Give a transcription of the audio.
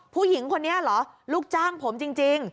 ผู้หญิงคนนี้เหรอลูกจ้างผมจริง